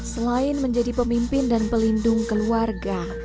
selain menjadi pemimpin dan pelindung keluarga